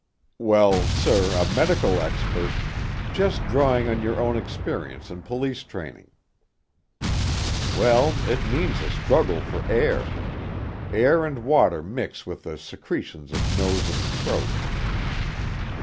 "Well, sir, a medical expert " "Just drawing on your own experience and police training." "Well, it means a struggle for air. Air and water mix with the secretions of nose and throat."